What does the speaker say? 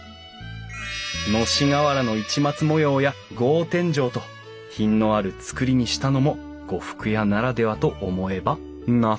のし瓦の市松模様や格天井と品のある造りにしたのも呉服屋ならではと思えば納得